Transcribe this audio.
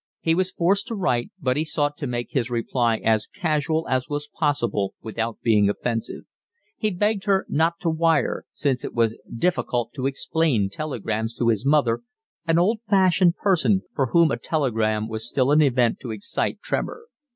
He was forced to write, but he sought to make his reply as casual as was possible without being offensive: he begged her not to wire, since it was difficult to explain telegrams to his mother, an old fashioned person for whom a telegram was still an event to excite tremor.